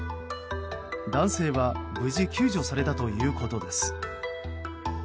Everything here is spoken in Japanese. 男性は無事救助されたということです。